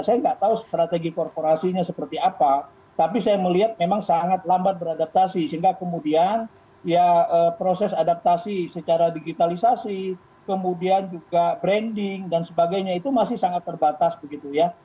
saya nggak tahu strategi korporasinya seperti apa tapi saya melihat memang sangat lambat beradaptasi sehingga kemudian ya proses adaptasi secara digitalisasi kemudian juga branding dan sebagainya itu masih sangat terbatas begitu ya